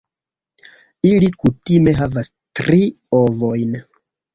Ili kutime havas tri ovojn.